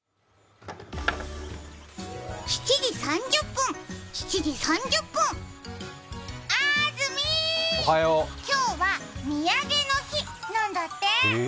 ７時３０分、７時３０分、あずみ、今日はみやげの日なんだって。